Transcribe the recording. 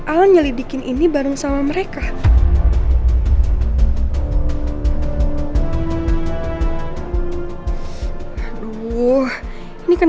al nyelidikin ini bareng sama mereka